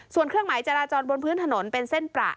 ส่วนเครื่องหมายจราจรบนพื้นถนนเป็นเส้นประ